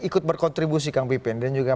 ikut berkontribusi kang pipin dan juga